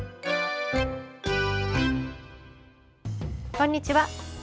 こんにちは。